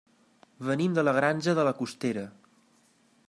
Venim de la Granja de la Costera.